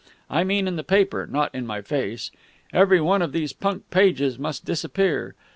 I mean in the paper, not in my face. Every one of these punk pages must disappear.